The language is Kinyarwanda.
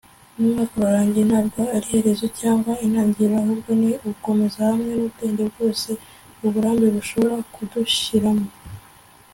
umwaka urangiye ntabwo ari iherezo cyangwa intangiriro ahubwo ni ugukomeza, hamwe n'ubwenge bwose uburambe bushobora kudushiramo